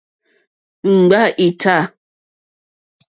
Ŋɡbâ í tâ.